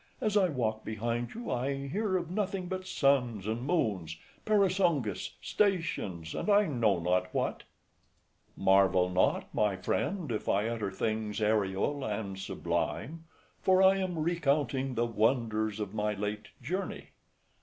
As I walk behind you, I hear of nothing but suns and moons, parasangas, stations, and I know not what. MENIPPUS. Marvel not, my friend, if I utter things aerial and sublime; for I am recounting the wonders of my late journey.